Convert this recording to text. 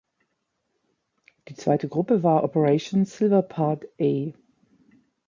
Die zweite Gruppe war Operation Silver Part A.